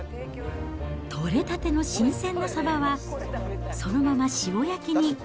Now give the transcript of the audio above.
取れたての新鮮なサバは、そのまま塩焼きに。